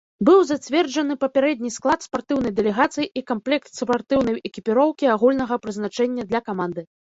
Быў зацверджаны папярэдні склад спартыўнай дэлегацыі і камплект спартыўнай экіпіроўкі агульнага прызначэння для каманды.